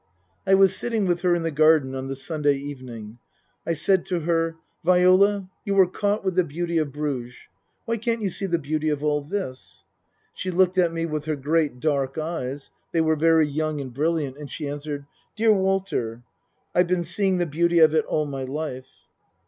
I was sitting with her in the garden on the Sunday evening. I said to her, " Viola, you were caught with the beauty of Bruges. Why can't you see the beauty of all this ?" She looked at me with her great dark eyes (they were very young and brilliant), and she answered, " Dear Walter, I've been seeing the beauty of it all my life."